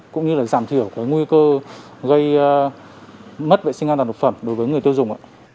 cũng như giảm thiểu nguy cơ gây mất vệ sinh an toàn thực phẩm đối với người tiêu dùng